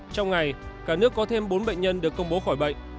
trong ngày cả nước có thêm bốn bệnh nhân được công bố khỏi bệnh